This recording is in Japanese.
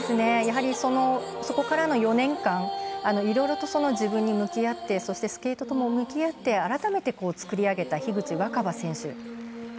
やはりそこからの４年間いろいろと自分と向き合ってスケートとも向き合って改めて作り上げた樋口新葉選手。